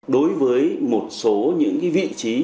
đối với một số những vị trí